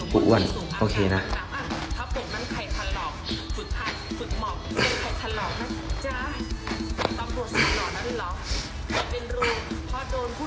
กูอ้วนโอเคนะ